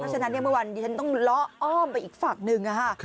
เพราะฉะนั้นเมื่อวันฉันต้องล้ออ้อมไปอีกฝั่งนึง